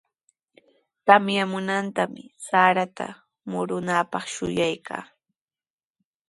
Tamyamunantami sarata murunaapaq shuyaykaa.